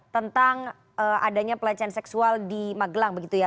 tentang adanya pelecehan seksual di magelang begitu ya